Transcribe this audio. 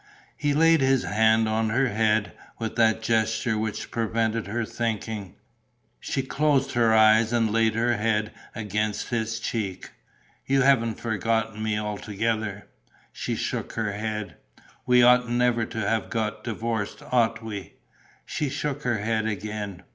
He laid his hand on her head, with that gesture which prevented her thinking. She closed her eyes and laid her head against his cheek. "You haven't forgotten me altogether?" She shook her head. "We ought never to have got divorced, ought we?" She shook her head again.